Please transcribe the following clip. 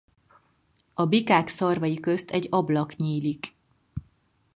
A bikák szarvai közt egy ablak nyílik.